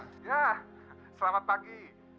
ya selamat pagi